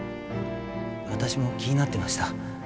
私も気になってました。